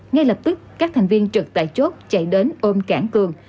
ngay lập tức các thành viên trực tại chốt chạy đến ôm cảng cường